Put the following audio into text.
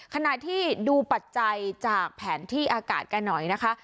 ขณะที่ดูปัจจัยจากแผนที่อากาศกันหน่อยนะคะ